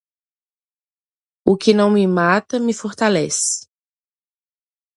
O que não me mata, me fortalece.